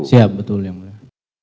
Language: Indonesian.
siap betul ya mulia